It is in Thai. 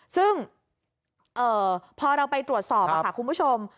ซึ่งพอเราไปตรวจสอบค่ะคุณผู้ชม